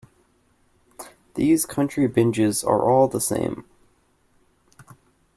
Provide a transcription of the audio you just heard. These country binges are all the same.